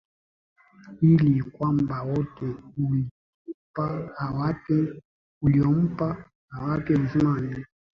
ili kwamba wote uliompa awape uzima wa milele